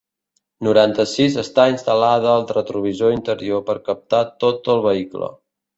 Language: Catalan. Noranta-sis estar instal·lada al retrovisor interior per captar tot el vehicle.